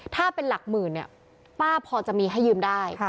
ถ้าเป็นหลักหมื่นเนี่ยป้าพอจะมีให้ยืมได้